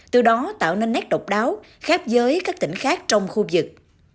từ đó tạo nên nét độc đáo khác giới các tỉnh khác trong khu vực